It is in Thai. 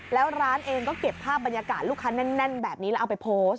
แล้วร้านเองก็เก็บภาพบรรยากาศลูกค้าแน่นแบบนี้แล้วเอาไปโพสต์